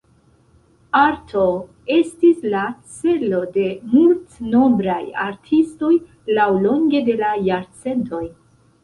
Arto estis la celo de multnombraj artistoj laŭlonge de la jarcentoj.